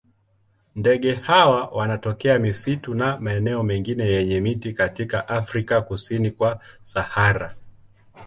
Ndege hawa wanatokea misitu na maeneo mengine yenye miti katika Afrika kusini kwa Sahara.